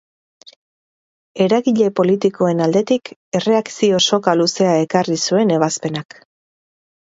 Eragile politikoen aldetik erreakzio soka luzea ekarri zuen ebazpenak.